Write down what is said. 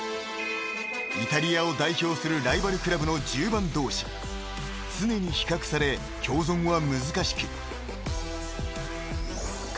［イタリアを代表するライバルクラブの１０番同士常に比較され共存は難しく］